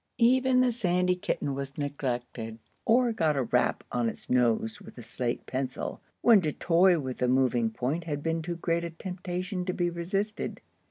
Even the sandy kitten was neglected, or got a rap on its nose with the slate pencil, when to toy with the moving point had been too great a temptation to be resisted.